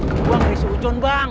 gua gak ada susun bang